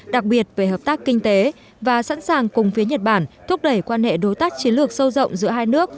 đặc biệt về hợp tác kinh tế và sẵn sàng cùng phía nhật bản thúc đẩy quan hệ đối tác chiến lược sâu rộng giữa hai nước